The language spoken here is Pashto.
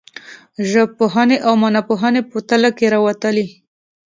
ژبپوهنې او معناپوهنې په تله کې راوتلي.